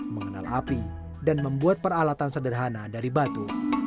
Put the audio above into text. mengenal api dan membuat peralatan sederhana dari batu